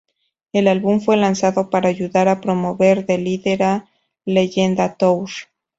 El álbum fue lanzado para ayudar a promover "De Líder a Leyenda Tour".